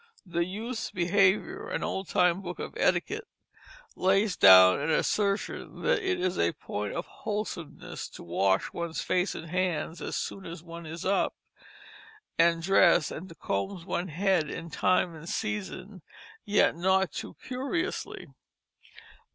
The Youth's Behavior, an old time book of etiquette, lays down an assertion that it is a point of wholesomeness to wash one's face and hands as soon as one is up and dressed, and "to comb one's head in time and season, yet not too curiously."